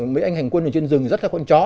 mấy anh hành quân ở trên rừng rất là con chó